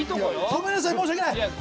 ごめんなさい申し訳ない。